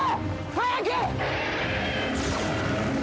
早く！